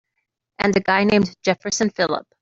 And a guy named Jefferson Phillip.